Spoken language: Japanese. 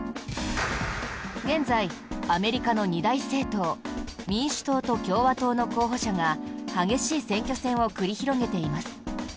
現在、アメリカの二大政党民主党と共和党の候補者が激しい選挙戦を繰り広げています。